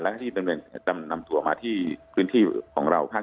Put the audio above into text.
และพฤษปรึงบริเวณนำตัวมาที่พื้นที่ของเรา